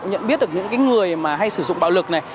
nhận biết được những người hay sử dụng bạo lực này